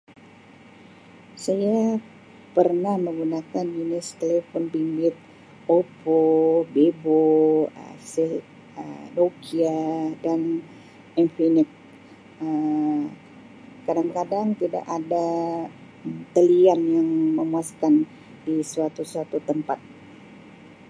Saya pernah menggunakan jenis telefon bimbit Oppo, Vivo Um si Um Nokia dan Infinix Um kadang-kadang tidak ada talian yang memuaskan di suatu-suatu tempat.